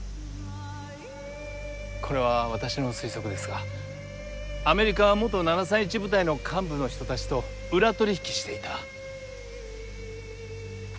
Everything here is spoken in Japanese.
これは私の推測ですがアメリカは元７３１部隊の幹部の人たちと裏取引していた。